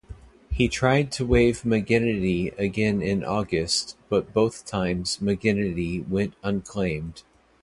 He tried to wave McGinnity again in August, but both times McGinnity went unclaimed.